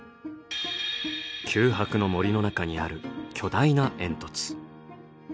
九博の森の中にある巨大な煙突。